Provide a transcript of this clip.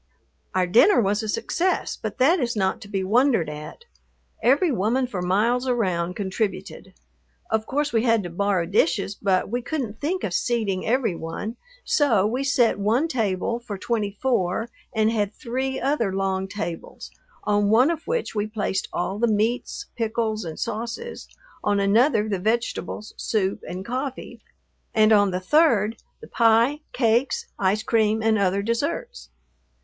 Our dinner was a success, but that is not to be wondered at. Every woman for miles around contributed. Of course we had to borrow dishes, but we couldn't think of seating every one; so we set one table for twenty four and had three other long tables, on one of which we placed all the meats, pickles, and sauces, on another the vegetables, soup, and coffee, and on the third the pie, cakes, ice cream, and other desserts.